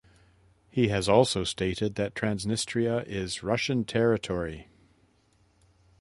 He has also stated that Transnistria "is Russian territory".